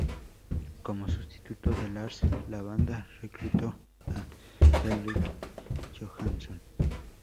Como sustituto de Lars, la banda reclutó a Henrik Johansson.